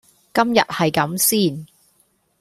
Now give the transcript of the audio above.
今日係咁先